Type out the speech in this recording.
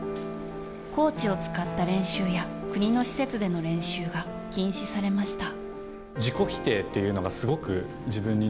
コーチを使った練習や国の施設での練習が禁止されました。